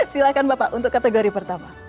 silahkan bapak untuk kategori pertama